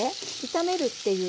炒めるっていう